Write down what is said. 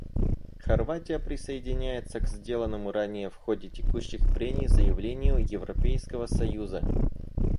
Хорватия присоединяется к сделанному ранее в ходе текущих прений заявлению Европейского союза.